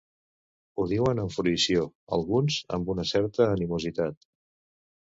Ho diuen amb fruïció, alguns amb una certa animositat.